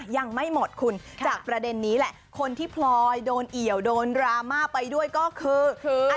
ยังไม่หมดคุณจากประเด็นนี้แหละคนที่พลอยโดนเอี่ยวโดนดราม่าไปด้วยก็คือ